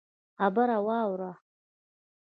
خبره واوره!